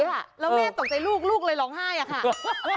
แล้วแม่ตกใจลูกลูกเลยร้องไห้อะค่ะ